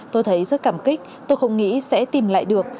tôi thấy rất cảm kích tôi không nghĩ sẽ tìm lại được